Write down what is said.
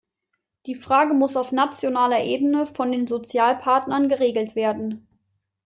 Diese Frage muss auf nationaler Ebene von den Sozialpartnern geregelt werden.